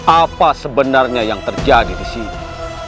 apa sebenarnya yang terjadi disini